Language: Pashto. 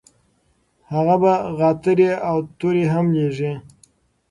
هغه به غاترې او توري هم لیږي.